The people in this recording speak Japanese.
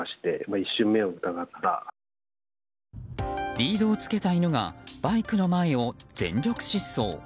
リードをつけた犬がバイクの前を全力疾走。